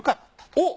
おっ！